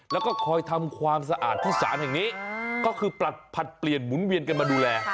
แล้วก็คอยทำความสะอาดที่ศาลแห่งนี้ก็คือผลัดเปลี่ยนหมุนเวียนกันมาดูแล